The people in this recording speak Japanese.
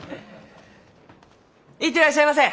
行ってらっしゃいませ！